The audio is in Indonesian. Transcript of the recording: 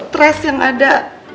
aduh stress yang ada